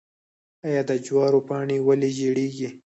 آیا د جوارو پاڼې ولې ژیړیږي؟